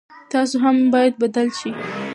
تاسو هم باید بدل شئ.